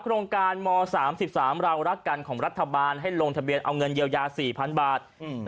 โครงการม๓๓เรารักกันของรัฐบาลให้ลงทะเบียนเอาเงินเยียวยา๔๐๐๐บาท